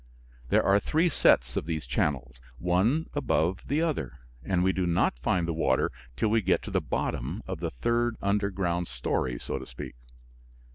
There are three sets of these channels, one above the other, and we do not find the water till we get to the bottom of the third underground story, so to speak.